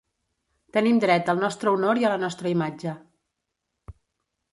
Tenim dret al nostre honor i a la nostra imatge.